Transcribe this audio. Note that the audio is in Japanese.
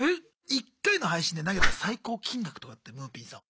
１回の配信で投げた最高金額とかってむーぴんさん。